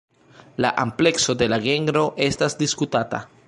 La amplekso de la genro estas diskutata.